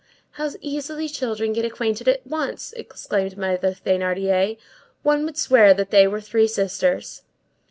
"How easily children get acquainted at once!" exclaimed Mother Thénardier; "one would swear that they were three sisters!"